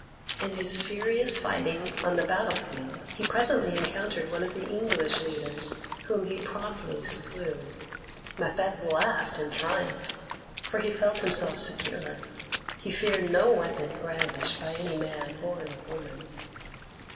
In his furious fighting on the battle field he presently encountered one of the English leaders, whom he promptly slew. Macbeth laughed in triumph, for he felt himself secure; he feared no weapon brandished by any man born of woman.